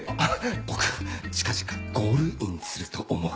僕近々ゴールインすると思う。